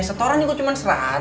setoran juga cuman seratus